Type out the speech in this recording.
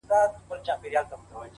يوه د ميني زنده گي راوړي.